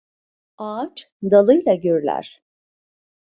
Ağaç, dalıyla gürler!